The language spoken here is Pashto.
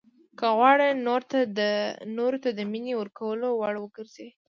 که غواړئ نورو ته د مینې ورکولو وړ وګرځئ.